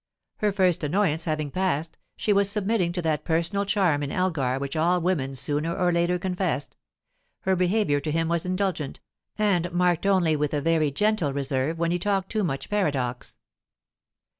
Her first annoyance having passed, she was submitting to that personal charm in Elgar which all women sooner or later confessed; her behaviour to him was indulgent, and marked only with a very gentle reserve when he talked too much paradox.